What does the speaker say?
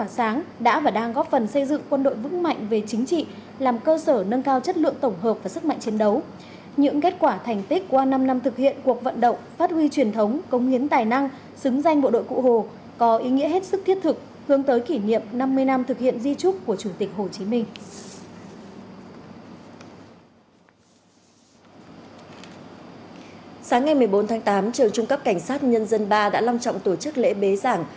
sáng ngày một mươi bốn tháng tám trường trung cấp cảnh sát nhân dân ba đã long trọng tổ chức lễ bế giảng